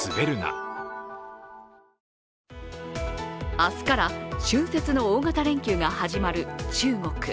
明日から春節の大型連休が始まる中国。